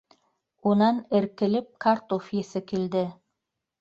Унан эркелеп картуф еҫе килде.